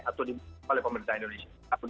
atau dibuat oleh pemerintah indonesia